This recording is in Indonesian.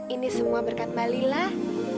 ini semua berkat malilah